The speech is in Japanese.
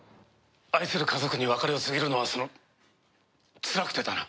愛する家族に別れを告げるのはそのつらくてだな。